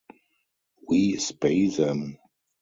We spay them.